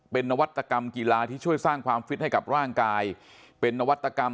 เป็นนวัตกรรมกีฬาที่ช่วยสร้างความฟิตให้กับร่างกายเป็นนวัตกรรม